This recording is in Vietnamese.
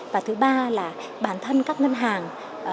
và thứ ba là bản thân các ngân hàng